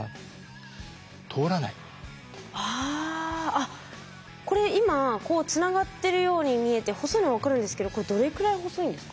あっこれ今こうつながってるように見えて細いのは分かるんですけどこれどれくらい細いんですか？